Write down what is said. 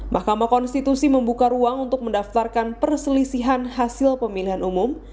mahkamah konstitusi membuka ruang untuk mendaftarkan perselisihan hasil pemilihan umum